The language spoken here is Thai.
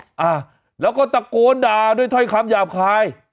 อ่าแล้วก็ตะโกนด่าด้วยถ้อยคำหยาบคาย